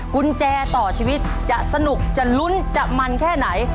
กุญแจต่อชีวิตจะสนุกจะลุ้นจะมันแค่ไหน